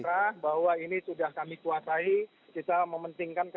ya saya sudah terima informasi dari wadid krimumpolda metro jaya